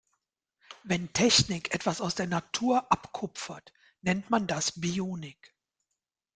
Wenn Technik etwas aus der Natur abkupfert, nennt man das Bionik.